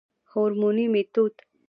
هورموني ميتود